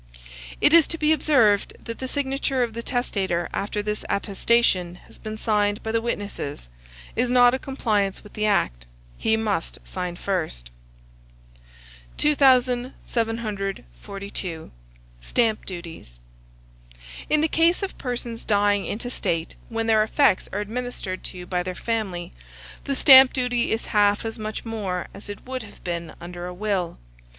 It is to be observed that the signature of the testator after this attestation has been signed by the witnesses, is not a compliance with the act; he must sign first. 2742. STAMP DUTIES. In the case of persons dying intestate, when their effects are administered to by their family, the stamp duty is half as much more as it would have been under a will.